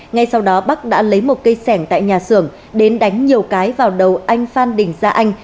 ngay sau đó bắc đã lấy một cây sẻng tại nhà xưởng đến đánh nhiều cái vào đầu anh phan đình gia anh